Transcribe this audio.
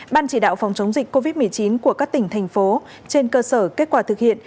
ban chỉ đạo phòng chống dịch covid một mươi chín của các tỉnh thành phố trên cơ sở kết quả thực hiện